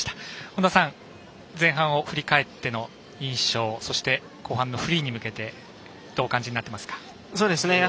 本田さん前半を振り返っての印象そして、後半のフリーに向けてどうお感じになっていますか？